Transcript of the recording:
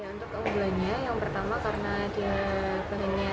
untuk keunggulannya yang pertama karena dia bahannya